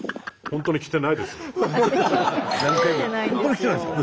本当にきてないんですか？」